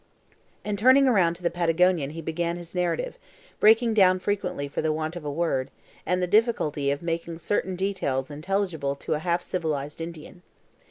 And turning round to the Patagonian he began his narrative, breaking down frequently for the want of a word, and the difficulty of making certain details intelligible to a half civilized Indian.